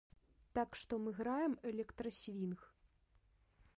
Так што мы граем электрасвінг.